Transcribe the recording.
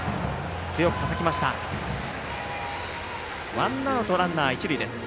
ワンアウト、ランナー、一塁です。